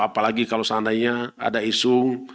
apalagi kalau seandainya ada isu